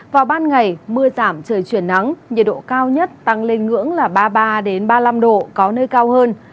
vào ban ngày mưa giảm trời chuyển nắng nhiệt độ cao nhất tăng lên ngưỡng là ba mươi ba ba mươi năm độ có nơi cao hơn